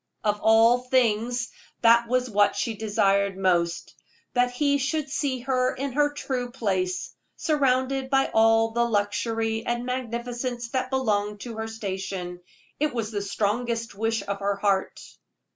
Of all things, that was what she desired most, that he should see her in her true place, surrounded by all the luxury and magnificence that belonged to her station. It was the strongest wish of her heart.